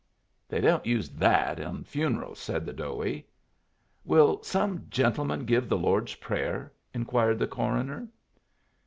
"They don't use that on funerals," said the Doughie. "Will some gentleman give the Lord's Prayer?" inquired the coroner.